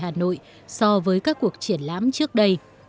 hà nội so với các cuộc triển lãm trước đây